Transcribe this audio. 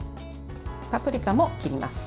パプリカも切ります。